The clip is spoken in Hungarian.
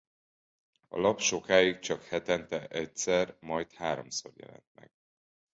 A lap sokáig csak hetente egyszer majd háromszor jelent meg.